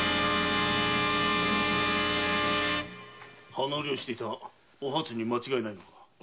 花売りをしていたおはつに間違いないのか。